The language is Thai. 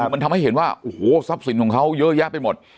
มันทำให้เห็นว่าโอ้โหทรัพย์สินของเขาเยอะแยะไปหมด